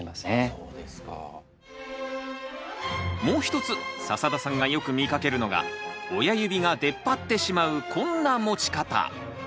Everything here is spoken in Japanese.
もう一つ笹田さんがよく見かけるのが親指が出っ張ってしまうこんな持ち方。